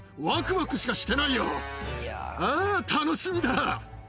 あぁ楽しみだ。